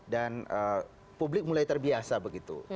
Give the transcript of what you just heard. dan publik mulai terbiasa begitu